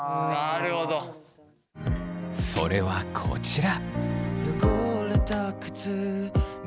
それはこちら。